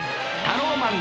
タローマン！